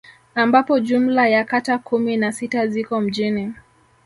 Ambapo jumla ya kata kumi na sita ziko mjini